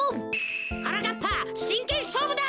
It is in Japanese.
なかっぱしんけんしょうぶだ。